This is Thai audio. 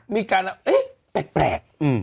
มีการลาออกเอ๊ะแปลก